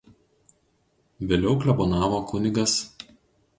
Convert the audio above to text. Vėliau klebonavo kun.